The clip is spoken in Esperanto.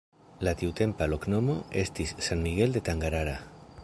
La tiutempa loknomo estis ’’San Miguel de Tangarara’’.